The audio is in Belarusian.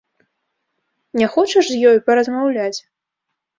Не хочаш з ёй паразмаўляць?